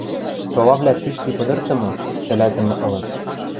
Солавлӓ цишти пыдыртымы, шӓлӓтӹмӹ ылыт.